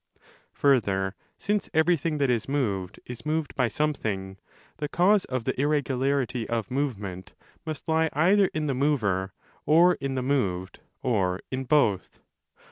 Further, since everything that is moved is moved by something, the cause of the irregu larity of movement must lie either in the mover or in the moved or in both.